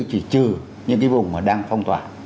chỉ trừ những cái vùng mà đang phong tỏa